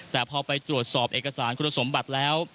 แต่พอไปตรวจสอบเอกสารคุณสมบัติแล้ว